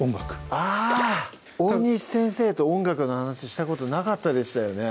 あぁ大西先生と音楽の話したことなかったでしたよね